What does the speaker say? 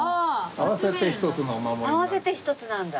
合わせて一つなんだ。